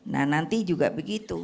nah nanti juga begitu